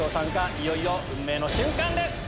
いよいよ運命の瞬間です！